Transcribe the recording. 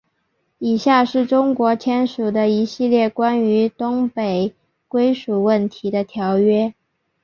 以下是中国签署的一系列关于东北归属问题的条约。